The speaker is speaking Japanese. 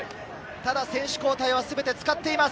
ただ選手交代はすべて使っています。